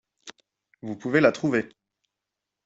Vous pouvez la trouver.